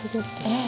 ええ。